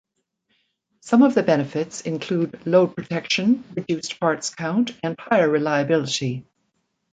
Some of the benefits include load protection, reduced parts count and higher reliability.